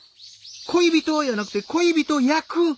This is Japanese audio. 恋人やなくて恋人役！